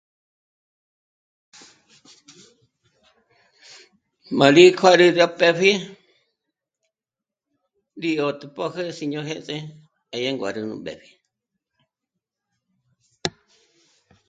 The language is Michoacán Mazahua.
M'a rí kjuârü rá pëpji rí 'ö̀'tpjöjü sí'i ño'jêndze 'ë'ë nguárü mbépji